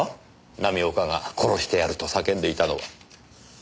浪岡が殺してやると叫んでいたのは。